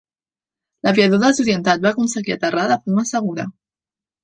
L'aviador desorientat va aconseguir aterrar de forma segura.